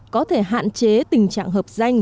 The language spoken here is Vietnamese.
có thể hạn chế tình trạng hợp danh